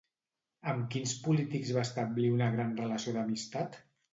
Amb quins polítics va establir una gran relació d'amistat?